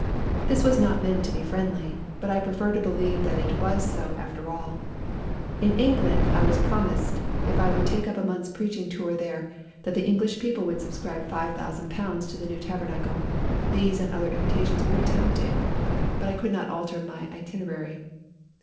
This was not meant to be friendly, but I prefer to believe that it was so after all. In England I was promised, if I would take up a month's preaching tour there, that the English people would subscribe five thousand pounds to the new Tabernacle. These and other invitations were tempting, but I could not alter my itinerary.